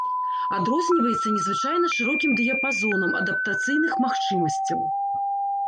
Адрозніваецца незвычайна шырокім дыяпазонам адаптацыйных магчымасцяў.